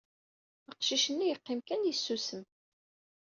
Aqcic-nni yeqqim kan yessusem.